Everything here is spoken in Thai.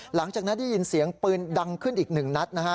หลังจากนั้นได้ยินเสียงปืนดังขึ้นอีกหนึ่งนัดนะฮะ